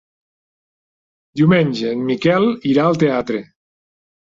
Diumenge en Miquel irà al teatre.